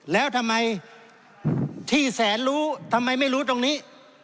แล้วทำไมที่แสนรู้ทำไมไม่รู้ตรงนี้